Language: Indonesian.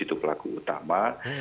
itu pelaku utama